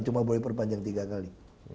cuma boleh perpanjang tiga kali